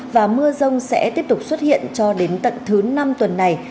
và mưa rông sẽ tiếp tục xuất hiện cho đến tận thứ năm tuần này